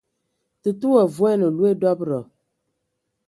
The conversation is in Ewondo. Tətə wa vuan loe dɔbədɔ.